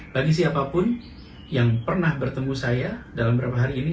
bagi siapapun yang pernah bertemu saya dalam beberapa hari ini